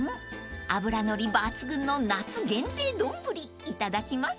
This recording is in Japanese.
［脂のり抜群の夏限定丼いただきます］